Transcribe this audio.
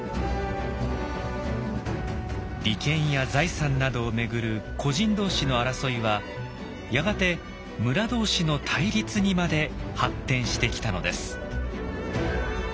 利権や財産などを巡る個人同士の争いはやがて村同士の対立にまで発展してきたのです。